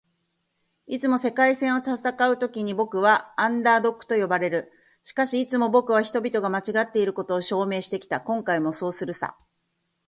「いつも“世界戦”を戦うときに僕は『アンダードッグ』と呼ばれる。しかし、いつも僕は人々が間違っていることを証明してきた。今回もそうするさ」